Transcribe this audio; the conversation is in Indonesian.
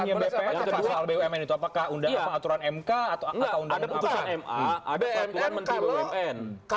apakah pasal bumn itu apakah undang pengaturan mk atau undang pengaturan mk